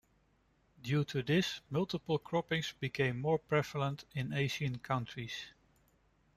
Due to this, multiple cropping became more prevalent in Asian countries.